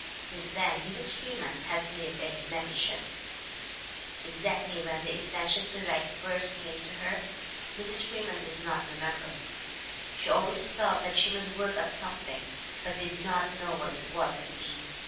Since then Mrs. Freeman has lived in Metuchen. Exactly when the intention to write first came to her, Mrs. Freeman does not remember. She always felt that she must work at something, but did not know what it was to be.